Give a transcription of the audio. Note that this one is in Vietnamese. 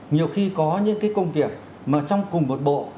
nhiều khi có những công việc mà trong cùng một bộ